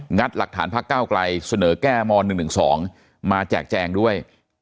ัดหลักฐานพักเก้าไกลเสนอแก้ม๑๑๒มาแจกแจงด้วย